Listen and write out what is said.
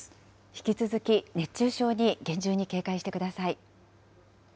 引き続き、熱中症に厳重に警戒してください。